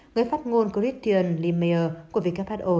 người phát ngôn christian limea của who